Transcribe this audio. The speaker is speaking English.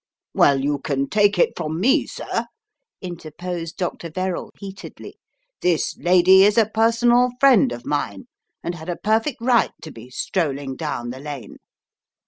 "Well, you can take it from me, sir," interposed Dr. Verrall, heatedly, "this lady is a personal friend of mine, and had a perfect right to be strolling down the lane.